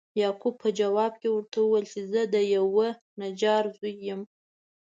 یعقوب په جواب کې ورته وویل چې زه د یوه نجار زوی یم.